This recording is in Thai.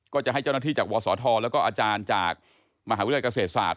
ก็จะให้เจ้าหน้าที่จากวศธแล้วก็อาจารย์จากมหาวิทยาลัยเกษตรศาสต